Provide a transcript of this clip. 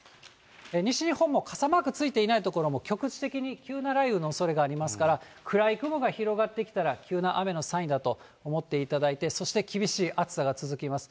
西日本も傘マークついていない所も、局地的に急な雷雨のおそれがありますから、暗い雲が広がってきたら、急な雨のサインだと思っていただいて、そして厳しい暑さが続きます。